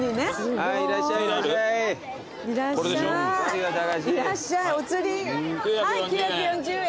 はい９４０円。